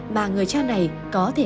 mấy người nói rồi